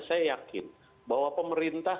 saya yakin bahwa pemerintah